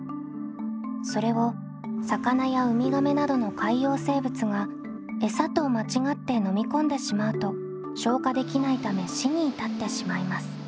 それを魚やウミガメなどの海洋生物が餌と間違って飲み込んでしまうと消化できないため死に至ってしまいます。